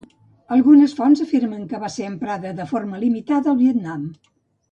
Algunes fonts afirmen que va ser emprada de forma limitada al Vietnam.